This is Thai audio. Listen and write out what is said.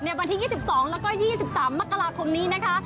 ในวันที่๒๒๒๓มกราคมนี้นะคะ